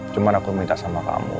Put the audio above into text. cuma aku minta sama kamu